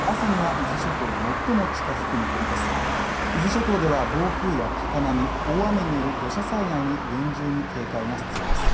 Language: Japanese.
伊豆諸島では暴風や高波、大雨による土砂災害に厳重に警戒が必要です。